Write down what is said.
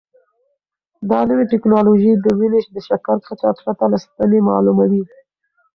دا نوې ټیکنالوژي د وینې د شکر کچه پرته له ستنې معلوموي.